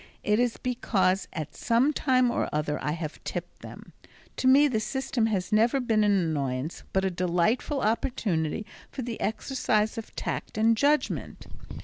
It is because at some time or other I have tipped them. To me the system has never been an annoyance but a delightful opportunity for the exercise of tact and judgment."